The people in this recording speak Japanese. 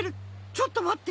ちょっとまって！